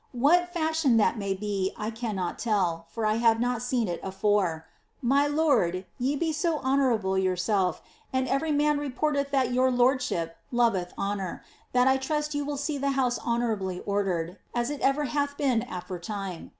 What fashion that may be I cannot tell, for I have not seen it afore. Mr lord, ye be so honourable yourself, and every man reporteth that your lord ship lovcth honour, that I trust you will see the house honourably ordered, as it ever hath been aforetime.